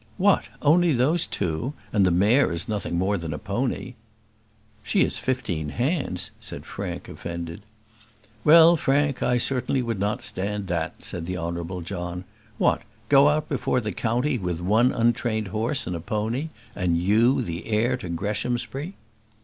"What! only those two? and the mare is nothing more than a pony." "She is fifteen hands," said Frank, offended. "Well, Frank, I certainly would not stand that," said the Honourable John. "What, go out before the county with one untrained horse and a pony; and you the heir to Greshamsbury!"